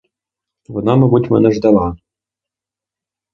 Вона, мабуть, мене ждала.